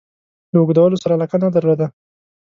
له اوږدولو سره علاقه نه درلوده.